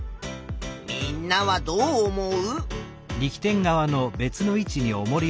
みんなはどう思う？